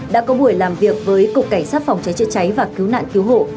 đã có buổi làm việc với cục cảnh sát phòng cháy chữa cháy và cứu nạn cứu hộ